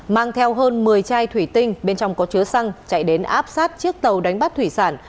mang theo hơn một mươi chai thủy tinh bên trong có chứa xăng chạy đến áp sát chiếc tàu đánh bắt thủy sản